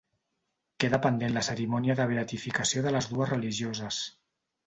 Queda pendent la cerimònia de beatificació de les dues religioses.